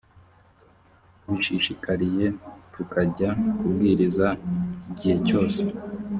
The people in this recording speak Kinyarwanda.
tubishishikariye, tukajya kubwiriza igihe cyose